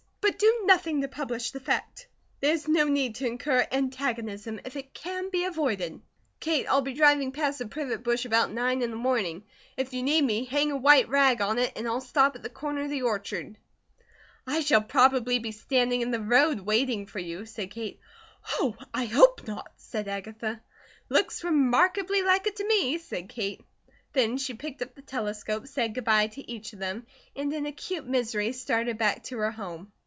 But do nothing to publish the fact. There is no need to incur antagonism if it can be avoided." "Kate, I'll be driving past the privet bush about nine in the morning. If you need me, hang a white rag on it, and I'll stop at the corner of the orchard." "I shall probably be standing in the road waiting for you," said Kate. "Oh, I hope not," said Agatha. "Looks remarkably like it to me," said Kate. Then she picked up the telescope, said good bye to each of them, and in acute misery started back to her home.